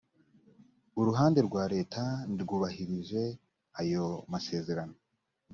uruhande rwa leta ntirwubahirije ayo maseserano